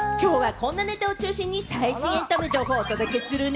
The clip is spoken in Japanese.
きょうは、こんなネタを中心に最新エンタメ情報をお届けするね！